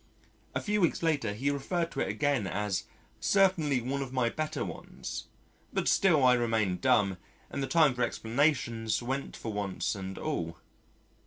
A few weeks later he referred to it again as "certainly one of my better ones" but still I remained dumb and the time for explanations went for once and all.